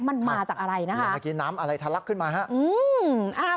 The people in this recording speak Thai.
มันมาจากอะไรนะคะเมื่อกี้น้ำอะไรทะลักขึ้นมาฮะอืมอ่า